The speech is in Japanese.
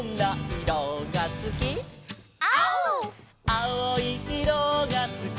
「あおいいろがすき」